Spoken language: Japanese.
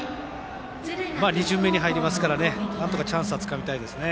２巡目に入りますからチャンスをつかみたいですね。